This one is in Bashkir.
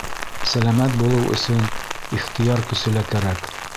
Сәләмәт булыу өсөн ихтыяр көсө лә кәрәк.